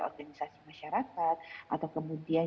organisasi masyarakat atau kemudian